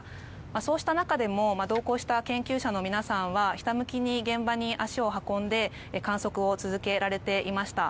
そうした中でも同行した研究者の皆さんはひたむきに現場に足を運んで観測を続けられていました。